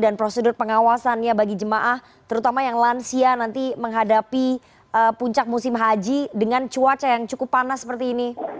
dan prosedur pengawasannya bagi jemaah terutama yang lansia nanti menghadapi puncak musim haji dengan cuaca yang cukup panas seperti ini